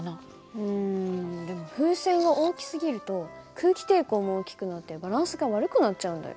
うんでも風船が大きすぎると空気抵抗も大きくなってバランスが悪くなっちゃうんだよ。